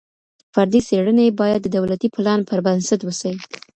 فردي څېړني باید د دولتي پلان پر بنسټ وسي.